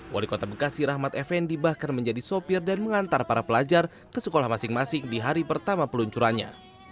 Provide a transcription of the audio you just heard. wali kota bekasi rahmat effendi bahkan menjadi sopir dan mengantar para pelajar ke sekolah masing masing di hari pertama peluncurannya